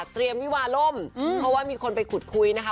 เตรียมวิหวาลมเพราะว่ามีคนไปขุดคุยนะคะ